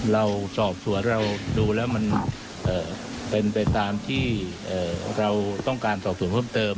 เราสอบสวนเราดูแล้วมันเป็นไปตามที่เราต้องการสอบส่วนเพิ่มเติม